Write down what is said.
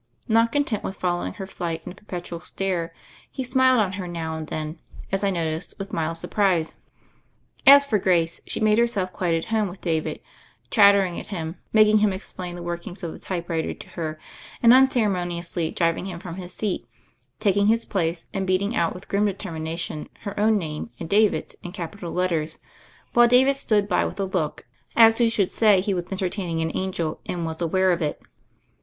Not content with foUowinff her flight in a perpetual stare, he smiled on ner now and then, as I noticed with mild surprise. As for Grace, she made herself quite at home with David, chatter ing at him, making him explain the workings of the typewriter to her, and, unceremoniously driving him from his seat, taking his place, and beating out with grim determination her own name and David's in capital letters, while David stood by with a look, as who should say he was entertaining an angel and was aware of it.